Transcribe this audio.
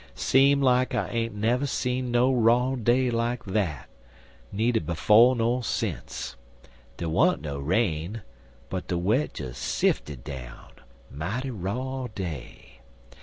"Seem like I ain't never see no raw day like dat, needer befo' ner sence. Dey wa'n't no rain, but de wet des sifted down; mighty raw day.